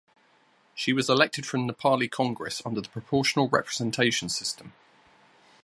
She was elected from Nepali Congress under the proportional representation system.